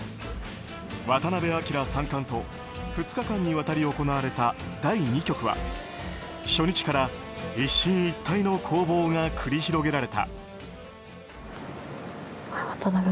渡辺明三冠と２日間にわたり行われた第２局は初日から一進一退の攻防が繰り広げられた。